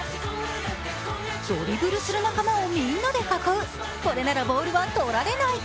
仲間をみんなで囲う、これならボールは取られない。